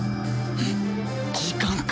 時間か。